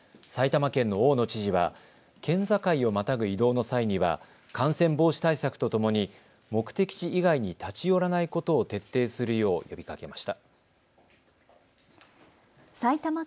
埼玉県の大野知事は県境をまたぐ移動の際には感染防止対策とともに目的地以外に立ち寄らないことを徹底するよう呼びかけました。